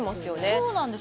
そうなんです。